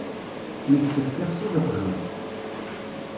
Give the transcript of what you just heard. Yekseb tixsi d uqjun.